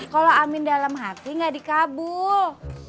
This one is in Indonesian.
kalau amin dalam hati gak dikabul